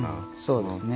そうですね。